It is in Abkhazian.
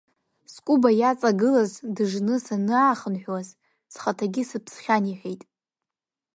Скәыба иаҵагылашаз дыжны санаахынҳәуаз схаҭагьы сыԥсхьан, – иҳәеит.